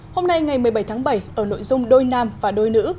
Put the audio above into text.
hôm nay ngày một mươi bảy tháng bảy ở nội dung đôi nam và đôi nữ